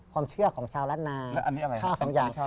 ความเชื่อของชาวร้านนายข้าวของอย่าง